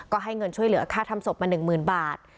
ก็ให้เงินช่วยเหลือค่าทำศพมา๑๐๐๐บาท